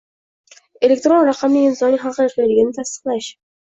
elektron raqamli imzoning haqiqiyligini tasdiqlash